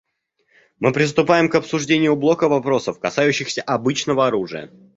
Мы приступаем к обсуждению блока вопросов, касающихся обычного оружия.